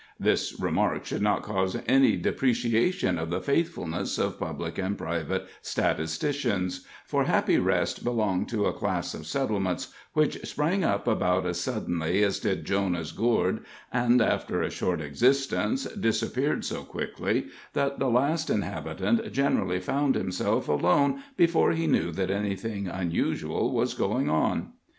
This remark should not cause any depreciation of the faithfulness of public and private statisticians, for Happy Rest belonged to a class of settlements which sprang up about as suddenly as did Jonah's Gourd, and, after a short existence, disappeared so quickly that the last inhabitant generally found himself alone before he knew that anything unusual was going on.